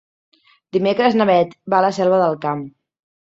Dimecres na Beth va a la Selva del Camp.